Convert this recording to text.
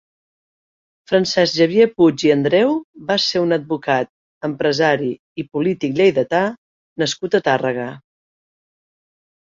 Francesc Xavier Puig i Andreu va ser un advocat, empresari i polític lleidatà nascut a Tàrrega.